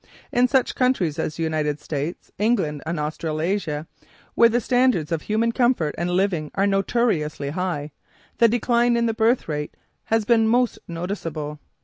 In such countries as the United States, England and Australasia, where the standards of human comfort and living are notoriously high, the decline in the birth rate has been most noticeable.